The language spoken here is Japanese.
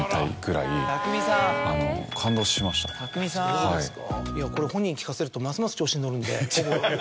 そうですか。